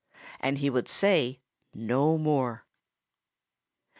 And he would say no more.